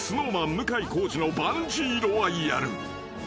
向井康二のバンジー・ロワイアル］